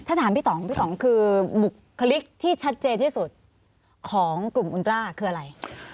ถ้าถามพี่ต่องพี่ต่องคือบุคลิกที่ชัดเจนที่สุดของกลุ่มอุณตราคืออะไร